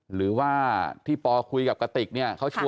หรือว่าที่ปอล์คุยกับกระติกเนี่ย